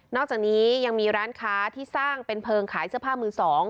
อกจากนี้ยังมีร้านค้าที่สร้างเป็นเพลิงขายเสื้อผ้ามือ๒